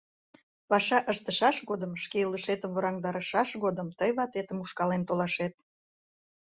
— Паша ыштышаш годым, шке илышетым ворандарышаш годым тый ватетым ушкален толашет.